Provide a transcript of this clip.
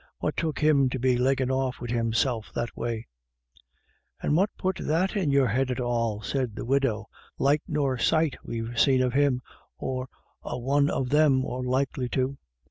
What took him to be leggin' off wid himself that way ?"" And what put that in your head at all? " said the widow. " Light nor sight we've seen of him, or a one of them, or likely to.